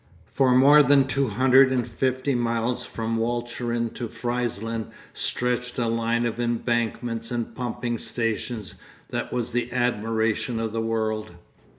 For more than two hundred and fifty miles from Walcheren to Friesland stretched a line of embankments and pumping stations that was the admiration of the world.